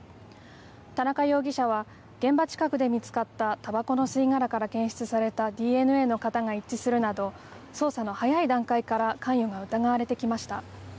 田中容疑者は現場近くで見つかったたばこの吸い殻から検出されたＤＮＡの型が一致するなど捜査の早い段階から関与が疑われてきました。